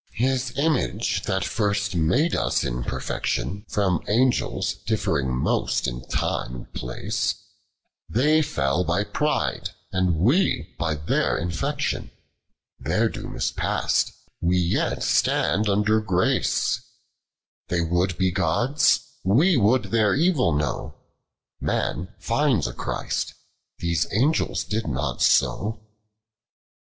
His imugo that first made us in perfection. From itngels ditfciing most in time and plaee : They fell by pride, and ire bj' their infection ; Tlicir doom is past, wc yet stand under grace ; Thej' would be gods, wo would their evil know Man finds a Christ, these angels did not so.